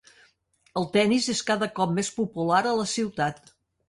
El tenis és cada cop més popular a la ciutat.